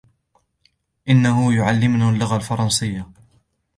انه يعلمنا اللغة الفرنسية.